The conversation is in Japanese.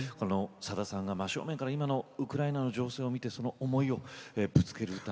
さださんが真正面から今のウクライナの情勢を見てその思いをぶつける歌。